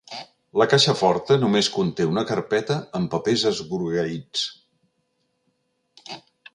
La caixa forta només conté una carpeta amb papers esgrogueïts.